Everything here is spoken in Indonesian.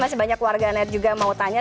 masih banyak warganet juga mau tanya